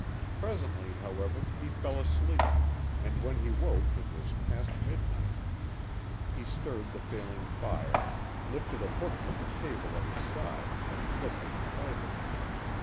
Presently, however, he fell asleep, and when he woke it was past midnight. He stirred the failing fire, lifted a book from the table at his side and looked at the title.